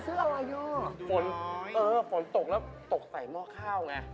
ดูน้อยนะก็โฟนตกแล้วก็ถูกใส่หม้อข้าวไง